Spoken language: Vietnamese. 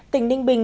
tỉnh đinh bình